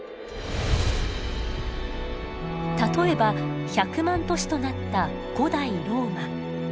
例えば１００万都市となった古代ローマ。